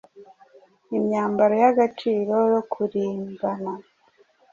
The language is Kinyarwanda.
imyambaro y' agaciro yo kurimbana